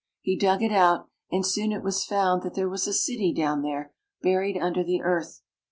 He dug it out, and soon it was found that there was a city down there, buried under the earth.